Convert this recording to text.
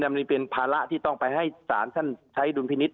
มันเป็นภาระที่ต้องไปให้ศาลท่านใช้ดุลพินิษฐ